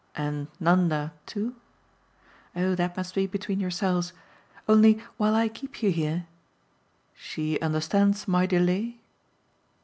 "And Nanda too?" "Oh that must be between yourselves. Only, while I keep you here " "She understands my delay?"